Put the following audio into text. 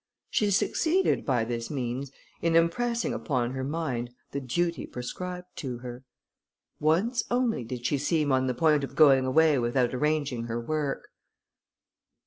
She succeeded, by this means, in impressing upon her mind the duty prescribed to her. Once only, did she seem on the point of going away without arranging her work.